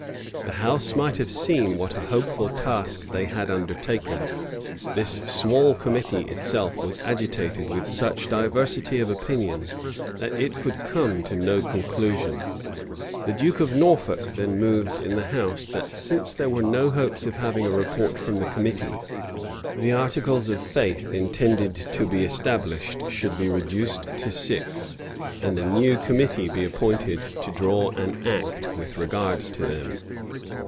The house might have seen what a hopeful task they had undertaken: this small committee itself was agitated with such diversity of opinion, that it could come to no conclusion. The duke of Norfolk then moved in the house, that, since there were no hopes of having a report from the committee, the articles of faith intended to be established should be reduced to six; and a new committee be appointed to draw an act with regard to them.